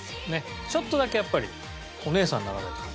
ちょっとだけやっぱりお姉さんにならないと。